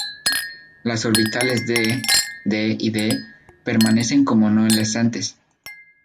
Los orbitales "d", "d" y "d" permanecen como no enlazantes.